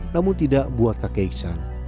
namun tidak buat kakek iksan